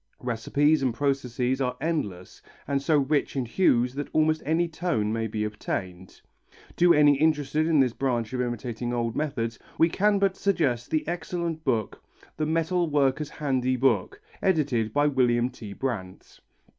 Recipes and processes are endless and so rich in hues that almost any tone may be obtained. To any interested in this branch of imitating old metals we can but suggest the excellent book, The Metal Worker's Handy Book, edited by William T. Brannt.